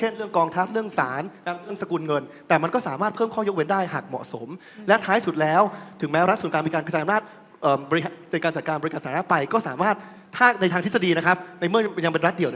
ในทฤษฎีนะครับในเมื่อมันยังเป็นรัฐเดียว